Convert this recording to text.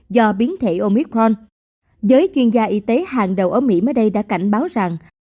do biến thể omicron giới chuyên gia y tế hàng đầu ở mỹ mới đây đã cảnh báo rằng